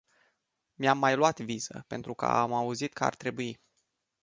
Mi-am mai luat viză, pentru că am auzit că ar trebui.